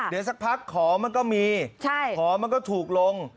เดี๋ยวสักพักของมันก็มีของมันก็ถูกลง